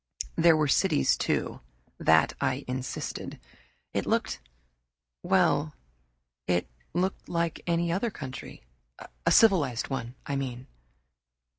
There were cities, too; that I insisted. It looked well, it looked like any other country a civilized one, I mean.